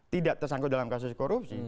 tidak tersangkut dalam kasus korupsi